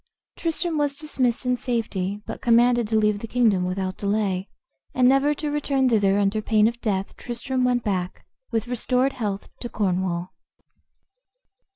Tristram was dismissed in safety, but commanded to leave the kingdom without delay, and never to return thither under pain of death Tristram went back, with restored health, to Cornwall.